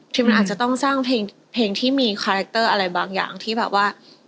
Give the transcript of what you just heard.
อาจจะต้องสร้างเพลงที่มีคาแรคเตอร์อะไรบางอย่างที่แบบว่า